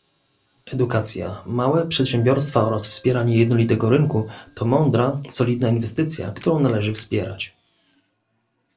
edukacja, małe przedsiębiorstwa oraz wspieranie jednolitego rynku to mądra, solidna inwestycja, którą należy wspierać